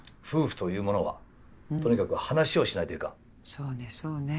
夫婦というものはとにかく話をしないといかん。